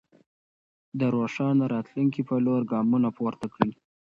د روښانه راتلونکي په لور ګامونه پورته کړئ.